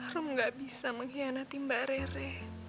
harum gak bisa mengkhianati mbak rere